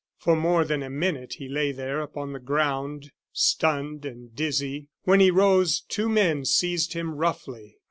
For more than a minute he lay there upon the ground stunned and dizzy. When he rose two men seized him roughly.